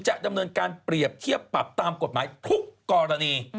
จะดำเนินการเปรียบเทียบปรับตามกฎหมายทุกกรณี